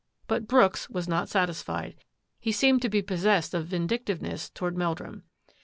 But Brooks was not satisfied. He seemed to be possessed of vindictiveness toward Meldrum.